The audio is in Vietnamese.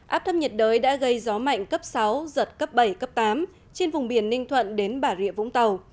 áp thấp nhiệt đới đã gây gió mạnh cấp sáu giật cấp bảy cấp tám trên vùng biển ninh thuận đến bà rịa vũng tàu